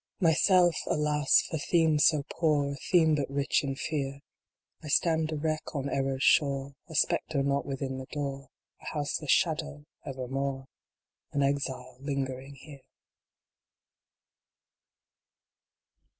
Myself! alas for theme so poor A theme but rich in Fear ; I stand a wreck on Error s shore, A spectre not within the door, A houseless shadow evermore, An exile lingering here.